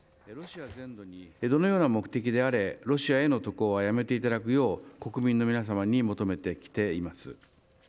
どのような目的であれ、ロシアへの渡航はやめていただくよう国民の皆様に求めてきています。